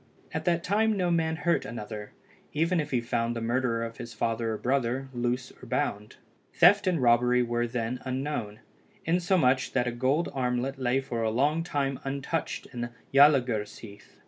At that time no man hurt another, even if he found the murderer of his father or brother, loose or bound. Theft and robbery were then unknown, insomuch that a gold armlet lay for a long time untouched in Jalangursheath.